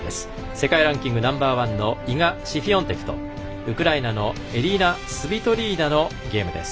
世界ランキングナンバー１のイガ・シフィオンテクとウクライナのエリナ・スビトリーナのゲームです。